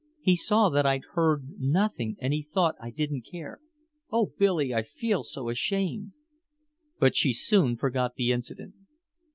He saw that I'd heard nothing and he thought I didn't care. Oh, Billy, I feel so ashamed." But she soon forgot the incident.